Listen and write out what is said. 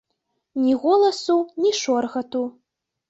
Ні голасу, ні шоргату.